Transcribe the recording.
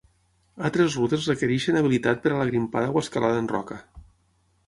Altres rutes requereixen habilitat per a la grimpada o escalada en roca.